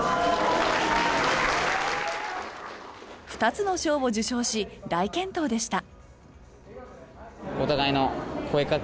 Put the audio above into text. ２つの賞を受賞し大健闘でした。